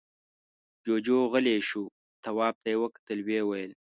جُوجُو غلی شو، تواب ته يې وکتل، ويې ويل: